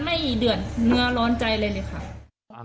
ไม่เดือดเนื้อร้อนใจเลยค่ะ